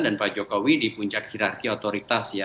dan pak jokowi di puncak hirarki otoritas ya